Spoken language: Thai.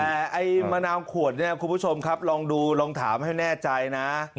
แต่ไอ้มะนาวขวดเนี่ยคุณผู้ชมครับลองดูลองถามให้แน่ใจนะ